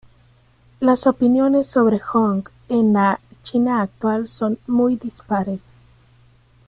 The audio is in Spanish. Las opiniones sobre Hong en la China actual son muy dispares.